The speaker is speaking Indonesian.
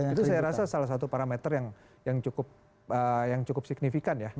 itu saya rasa salah satu parameter yang cukup signifikan ya